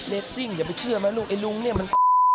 เล็กซิ่งอย่าไปเชื่อมั้ยลุงไอลุงเนี่ยมัน